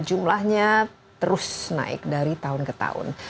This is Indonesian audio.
jumlahnya terus naik dari tahun ke tahun